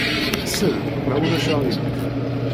Sel, ma ulac aɣilif.